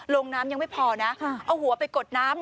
น้ำยังไม่พอนะเอาหัวไปกดน้ำ